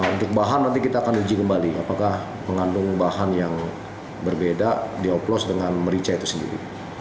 untuk bahan nanti kita akan uji kembali apakah mengandung bahan yang berbeda dioplos dengan merica itu sendiri